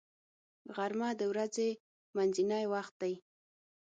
غرمه د ورځې منځنی وخت دی